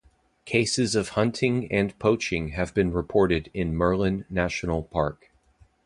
Cases of Hunting and poaching have been reported in Murlen National Park.